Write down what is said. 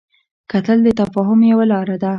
کتل د تفاهم یوه لاره ده